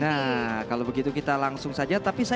nah kalau begitu kita langsung saja